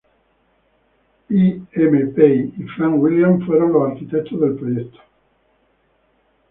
I. M. Pei y Frank Williams fueron los arquitectos del proyecto.